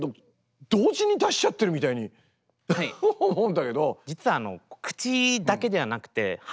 同時に出しちゃってるみたいに思うんだけど。